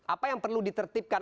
apa yang perlu ditertibkan